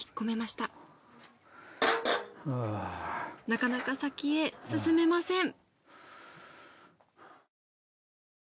なかなか先へ進めません。